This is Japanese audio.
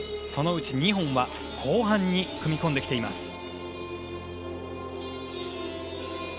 そのうち２本は後半に組み込んできています。